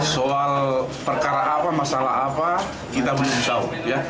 soal perkara apa masalah apa kita belum tahu